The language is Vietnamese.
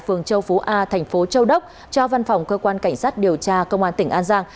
phường châu phú a thành phố châu đốc cho văn phòng cơ quan cảnh sát điều tra công an tỉnh an giang